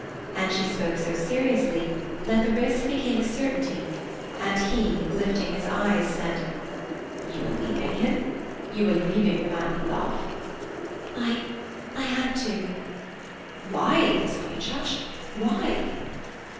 And she spoke so seriously that the risk became a certainty, and he, lifting his eyes, said: "You are leaving him? You are leaving the man you love?" "I—I had to." "Why, Miss Honeychurch, why?"